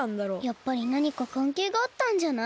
やっぱりなにかかんけいがあったんじゃない？